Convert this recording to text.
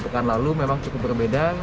pekan lalu memang cukup berbeda